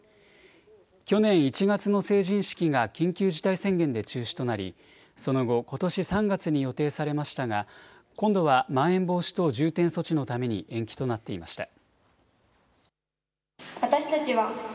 去年１月の成人式が緊急事態宣言で中止となり、その後、ことし３月に予定されましたが、今度はまん延防止等重点措置のために延期となっていました。